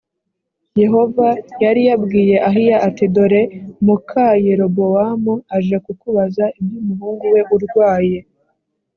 yehova yari yabwiye ahiya ati dore muka yerobowamu aje kukubaza iby umuhungu we urwaye